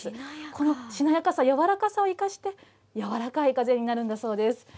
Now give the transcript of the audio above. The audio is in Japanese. このしなやかさ、柔らかさを生かして、柔らかい風になるんだそうです。